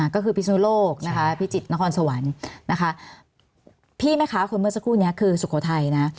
ก็คือพิสุโนโลกนะคะพิจิตรนครสวรรค์พี่ไหมคะก็คือสุโขไทยนะ